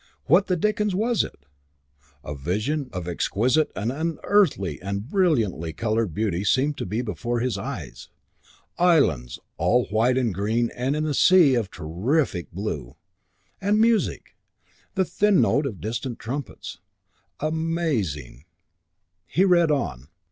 What the dickens was it? A vision of exquisite and unearthly and brilliantly coloured beauty seemed to be before his eyes. Islands, all white and green and in a sea of terrific blue.... And music, the thin note of distant trumpets.... Amazing! He read on.